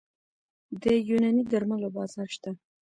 د یوناني درملو بازار شته؟